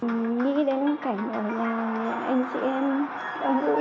nghĩ đến cảnh ở nhà anh chị em đang đuối